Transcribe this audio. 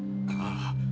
ああ。